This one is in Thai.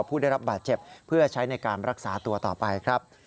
ผู้ได้รับบาดเจ็บเพื่อใช้ในการรักษาตัวต่อไปครับ